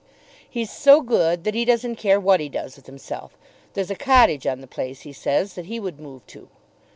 "He's so good that he doesn't care what he does with himself. There's a cottage on the place, he says, that he would move to."